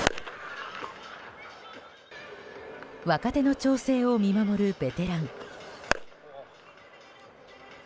若手の調整を見守るベテラン。